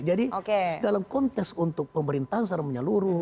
jadi dalam konteks untuk pemerintahan secara menyeluruh